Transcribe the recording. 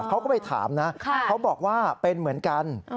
เขาก็ไปถามนะเขาบอกว่าเป็นเหมือนกัน